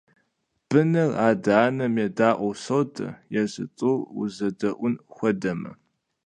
Быныр адэ-анэм едаӀуэр содэ, езы тӀур узэдэӀуэн хуэдэмэ.